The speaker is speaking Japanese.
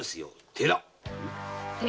寺？